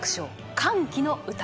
「歓喜の歌」。